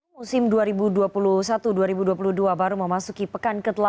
musim dua ribu dua puluh satu dua ribu dua puluh dua baru memasuki pekan ke delapan